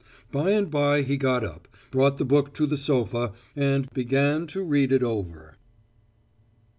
By and by he got up, brought the book to the sofa and began to read it over.